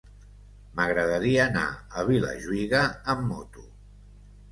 M'agradaria anar a Vilajuïga amb moto.